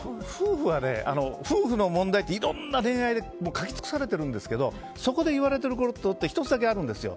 夫婦の問題っていろんな恋愛で書き尽くされてるんですけどそこでいわれてることって１つだけあるんですよ。